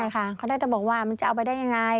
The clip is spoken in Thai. ใช่ค่ะเขาได้แต่บอกว่ามันจะเอาไปได้ยังไง